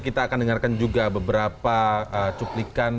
kita akan dengarkan juga beberapa cuplikan